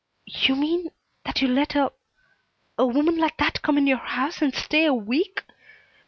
"You mean that you let a a woman like that come in your house and stay a week?